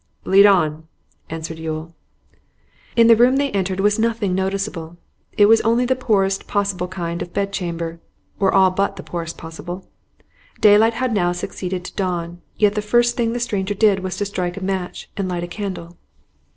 'Lead on,' answered Yule. In the room they entered was nothing noticeable; it was only the poorest possible kind of bed chamber, or all but the poorest possible. Daylight had now succeeded to dawn, yet the first thing the stranger did was to strike a match and light a candle.